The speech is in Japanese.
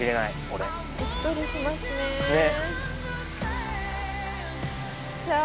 うっとりしますね。